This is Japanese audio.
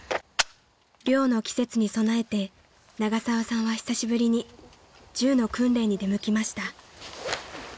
［猟の季節に備えて永沢さんは久しぶりに銃の訓練に出向きました］